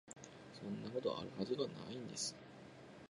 そんなこと、有る筈が無い